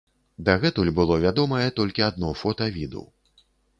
Дагэтуль было вядомае толькі адно фота віду.